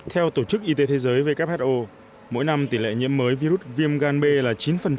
theo tổ chức y tế thế giới who mỗi năm tỷ lệ nhiễm mới virus viêm gan b là chín